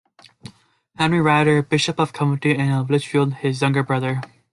Henry Ryder, Bishop of Coventry and of Lichfield, his younger brother.